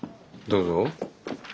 どうぞ。